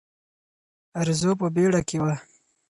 ارزو په بیړه کې وه.